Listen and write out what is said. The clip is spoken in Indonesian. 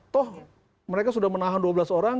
toh mereka sudah menahan dua belas orang